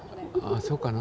そうかな？